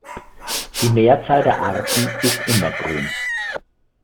Die Mehrzahl der Arten ist immergrün.